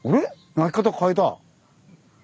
鳴き方変えた。